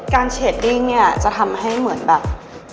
เทรดดิ้งเนี่ยจะทำให้เหมือนแบบ